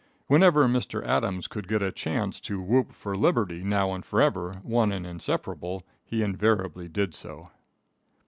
Whenever Mr. Adams could get a chance to whoop for liberty now and forever, one and inseparable, he invariably did so.